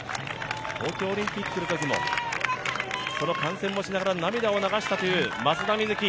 東京オリンピックのときもその観戦をしながら涙を流したという松田瑞生。